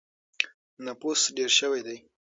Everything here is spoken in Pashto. نفوس ډېر شوی دی.